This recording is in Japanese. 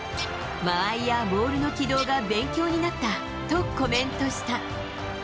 間合いやボールの軌道が勉強になったとコメントした。